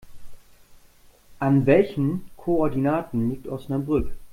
An welchen Koordinaten liegt Osnabrück?